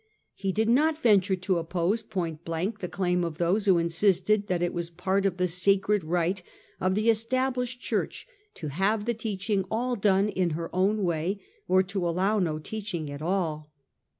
He did not venture to oppose point blank the claim of those who insisted that it was part of the sacred right of the Established Church to have the teaching all done in her own way or to allow no teaching at all.